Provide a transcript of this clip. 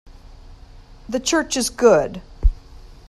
The church is good.